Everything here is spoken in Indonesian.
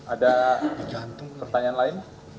ada pertanyaan lain